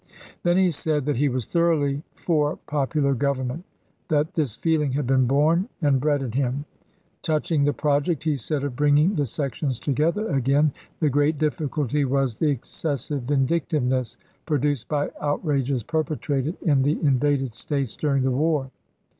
Then he said, that he was thoroughly for popular government, that this feeling had been born and bred in him. Touching the project, he said, of bringing the sections together again, the great diffi culty was the excessive vindictiveness produced by outrages perpetrated in the invaded States during the war.